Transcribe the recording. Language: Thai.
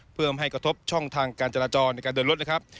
เพื่อไม่กระทบช่องทางการจราจรในการเดินรถนะครับ